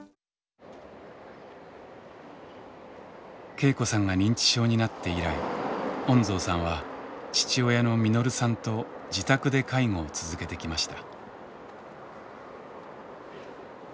恵子さんが認知症になって以来恩蔵さんは父親の實さんと自宅で介護を続けてきました。